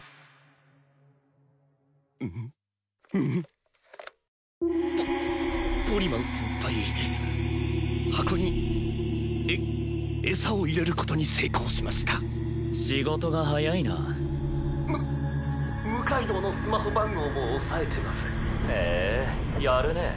フフッフフッポポリマン先輩箱にエエサを入れることに成功しました仕事が早いなむ六階堂のスマホ番号も押さえてますへえやるね